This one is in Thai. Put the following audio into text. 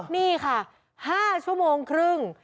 นี่ค่ะ๕ชั่วโมงครึ่ง